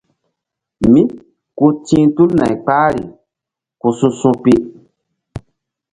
Mí ku ti̧h tul nay kara ku su̧su̧pi.